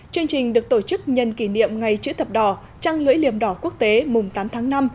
chương trình được tổ chức nhân kỷ niệm ngày chữ thập đỏ trăng lưỡi liềm đỏ quốc tế mùng tám tháng năm